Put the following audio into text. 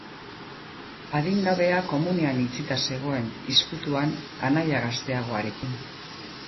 Adingabea komunean itxita zegoen, ezkutuan, anaia gazteagoarekin.